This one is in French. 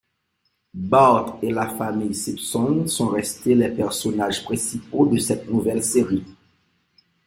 Bart et la famille Simpson sont restés les personnages principaux de cette nouvelle série.